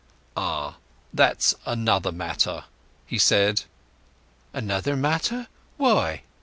"Ah—that's another matter," he said. "Another matter—why?"